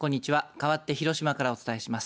かわって広島からお伝えします。